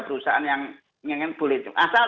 perusahaan yang ingin boleh asal